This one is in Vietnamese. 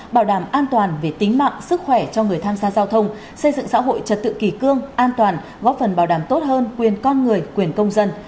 bảo đảm an toàn về tính mạng sức khỏe cho người tham gia giao thông xây dựng xã hội trật tự kỳ cương an toàn góp phần bảo đảm tốt hơn quyền con người quyền công dân